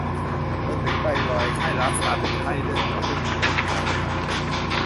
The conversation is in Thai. จนถึงไตวาย ไข้ลาสซาเป็นไข้เลือดออกที่มีหนูเป็นพาหะ